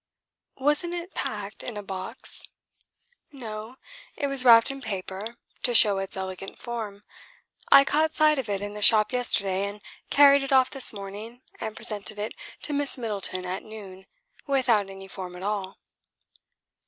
"Wasn't it packed in a box?" "No, it was wrapped in paper, to show its elegant form. I caught sight of it in the shop yesterday and carried it off this morning, and presented it to Miss Middleton at noon, without any form at all."